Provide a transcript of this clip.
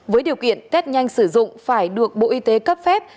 với điều kiện tết nhanh sử dụng phải được bộ y tế cấp phép